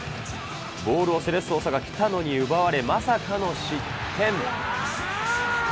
ボールをセレッソ大阪、北野に奪われ、まさかの失点。